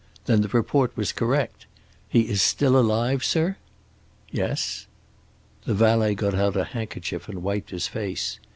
Then the report was correct. He is still alive, sir?" "Yes." The valet got out a handkerchief and wiped his face.